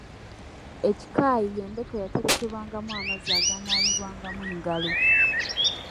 Ekikaayi y’endeku eyaterekebwangamu amazzi agaanaabibwangamu engalo .